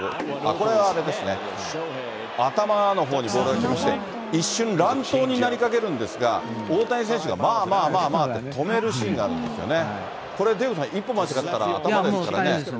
これはあれですね、頭のほうにボールが来まして、一瞬、乱闘にいきかけるんですが、大谷選手がまあまあまあまあって、止めるシーンがあるんですよね。